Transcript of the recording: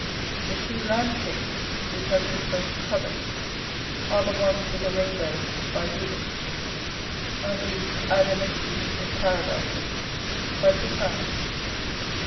The two land scapes which I should most covet, are the one with a Eainbow by Rubens, and the " Adam and Eve in Paradise" by Poussin.